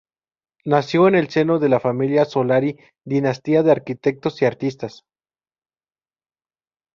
Nació en el seno de la familia Solari, dinastía de arquitectos y artistas.